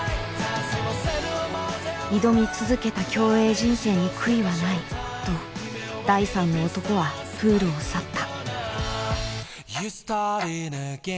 「挑み続けた競泳人生に悔いはない」と第３の男はプールを去った。